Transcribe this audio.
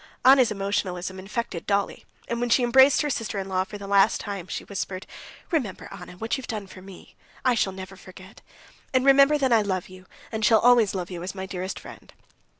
Anna's emotionalism infected Dolly, and when she embraced her sister in law for the last time, she whispered: "Remember, Anna, what you've done for me—I shall never forget. And remember that I love you, and shall always love you as my dearest friend!"